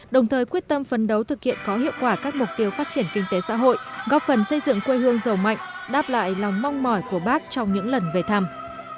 đồng thời quyết tâm phấn đấu thực hiện có hiệu quả các mục tiêu phát triển kinh tế xã hội góp phần xây dựng quê hương giàu mạnh đáp lại lòng mong mỏi của bác trong những lần về thăm